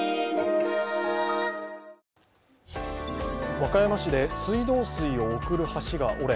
和歌山市で水道水を送る橋が折れ